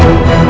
aku mau pergi